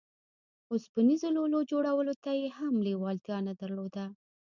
اوسپنيزو لولو جوړولو ته يې هم لېوالتيا نه درلوده.